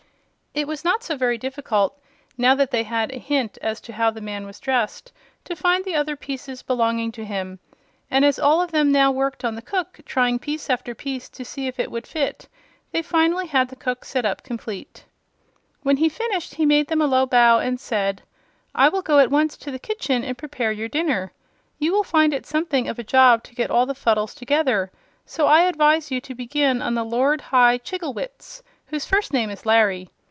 It was not so very difficult, now that they had a hint as to how the man was dressed, to find the other pieces belonging to him, and as all of them now worked on the cook, trying piece after piece to see if it would fit, they finally had the cook set up complete. When he was finished he made them a low bow and said: "I will go at once to the kitchen to prepare your dinner. You will find it something of a job to get all the Fuddles together, so I advise you to begin on the Lord High Chigglewitz, whose first name is Larry.